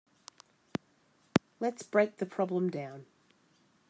Let's break the problem down.